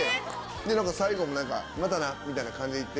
で最後も「またな」みたいな感じでいって。